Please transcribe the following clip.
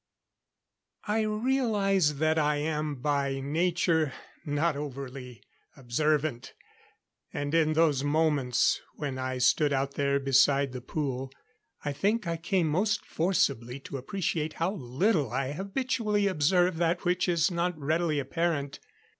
_ I realize that I am, by nature, not overly observant; and in those moments, when I stood out there beside the pool, I think I came most forcibly to appreciate how little I habitually observe that which is not readily apparent.